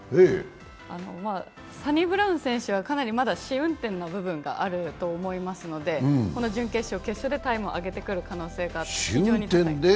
サニブラウン選手はかなりまだ試運転の部分があると思いますのでこの準決勝、決勝でタイムを上げてくる可能性があるので。